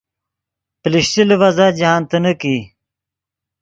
پلشچے لیڤزا جاہند تینیک ای